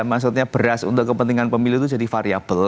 maksudnya beras untuk kepentingan pemilih itu jadi variable